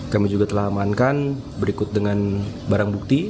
kami juga telah amankan berikut dengan barang bukti